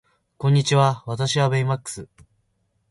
こんにちは私はベイマックス